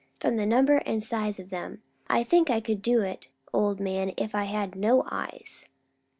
From the number and size of them, I think I could do it, old man, if I had no eyes."